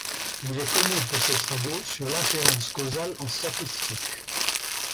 Il est connu pour ses travaux sur l'inférence causale en statistique.